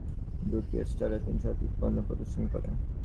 এর মধ্যে বাংলাদেশের প্রাণ গ্রুপ দুটি স্টলে তিন শতাধিক পণ্য প্রদর্শন করে।